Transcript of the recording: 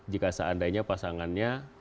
jika seandainya pasangannya